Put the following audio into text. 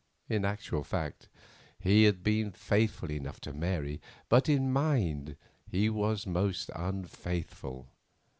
In actual fact, he had been faithful enough to Mary, but in mind he was most unfaithful.